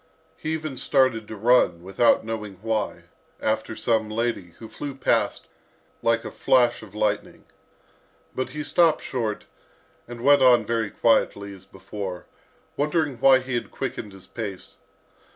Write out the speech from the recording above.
He even started to run, without knowing why, after some lady, who flew past like a flash of lightning. But he stopped short, and went on very quietly as before, wondering why he had quickened his pace.